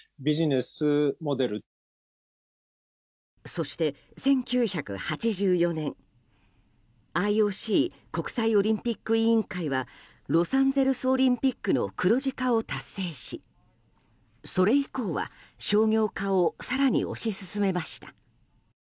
そして１９８４年ＩＯＣ・国際オリンピック委員会はロサンゼルスオリンピックの黒字化を達成しそれ以降は商業化を更に推し進めました。